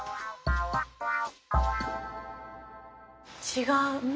違う。